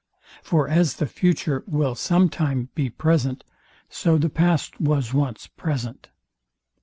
For as the future will sometime be present, so the past was once present.